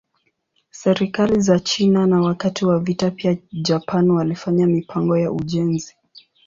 Serikali za China na wakati wa vita pia Japan walifanya mipango ya ujenzi.